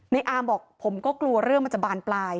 อามบอกผมก็กลัวเรื่องมันจะบานปลาย